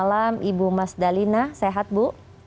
selamat malam ibu mas dalina sehat bu